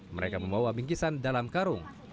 mereka membawa bingkisan dalam karung